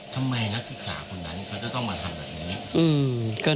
นักศึกษาคนนั้นเขาจะต้องมาทำแบบนี้